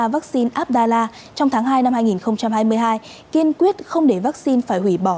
vaccine abdallah trong tháng hai năm hai nghìn hai mươi hai kiên quyết không để vaccine phải hủy bỏ